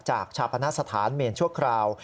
ชาปณสถานเมนชั่วคราว